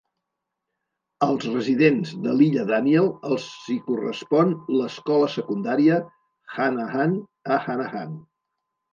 Als residents de l'Illa Daniel els hi correspon l'Escola Secundària Hanahan a Hanahan.